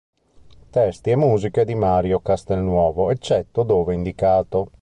Testi e musiche di Mario Castelnuovo, eccetto dove indicato